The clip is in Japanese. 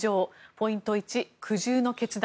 ポイント１、苦渋の決断。